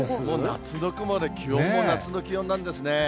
夏の雲で、気温も夏の気温なんですね。